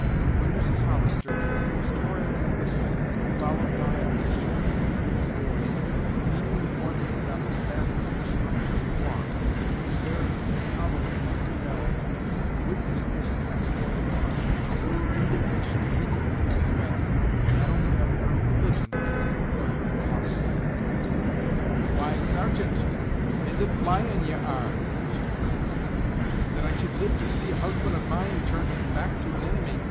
When Mrs. Hollister, who was toiling up the hill, followed by at least twenty curious boys, leaning with one hand on the staff with which she ordinarily walked, and bearing in the other an empty bag, witnessed this exploit of her husband, indignation immediately got the better, not only of her religion, but of her philosophy. "Why, sargeant! is it flying ye are?" she cried "that I should live to see a husband of mine turn his hack to an inimy!